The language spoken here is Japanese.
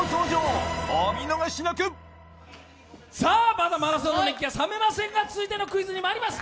まだマラソンの熱気は冷めませんが、続いてのクイズにいきます。